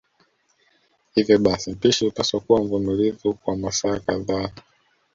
Hivyo basi mpishi hupaswa kuwa mvumilivu kwa masaa kadhaa